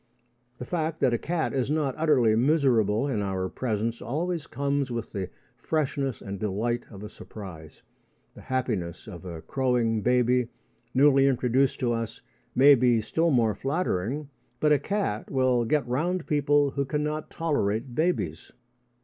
The fact that a cat is not utterly miserable in our presence always comes with the freshness and delight of a surprise. The happiness of a crowing baby, newly introduced to us, may be still more flattering, but a cat will get round people who cannot tolerate babies.